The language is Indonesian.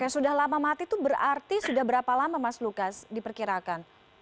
sudah lama mati itu berarti sudah berapa lama mas lukas diperkirakan